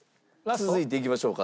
続いていきましょうか。